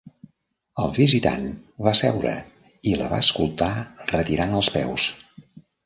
El visitant va seure i la va escoltar retirant els peus.